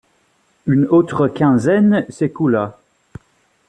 Une autre quinzaine s’écoula.